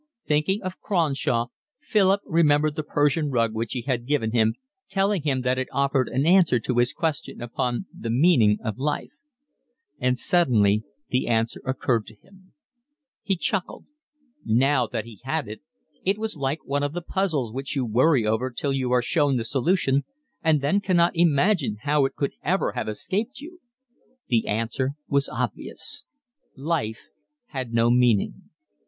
Thinking of Cronshaw, Philip remembered the Persian rug which he had given him, telling him that it offered an answer to his question upon the meaning of life; and suddenly the answer occurred to him: he chuckled: now that he had it, it was like one of the puzzles which you worry over till you are shown the solution and then cannot imagine how it could ever have escaped you. The answer was obvious. Life had no meaning.